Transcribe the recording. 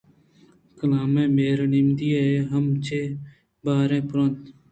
کلام ءِ مہر ءِ نمدی ئے ہم چہ بیہار ءَ پُراِنت